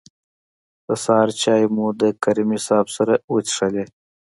د سهار چای مو د کریمي صیب سره وڅښه.